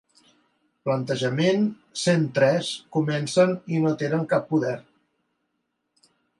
Plantejament cent tres comencen i no tenen cap poder.